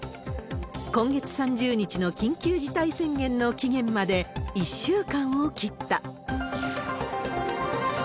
今月３０日の緊急事態宣言の期限まで１週間を切った。